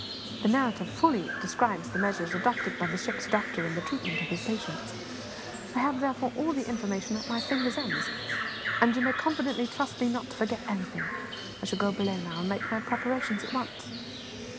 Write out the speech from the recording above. The narrative fully describes the measures adopted by the ship's doctor in the treatment of his patients; I have, therefore, all the information at my fingers' ends, and you may confidently trust me not to forget anything. I shall go below now, and make my preparations at once."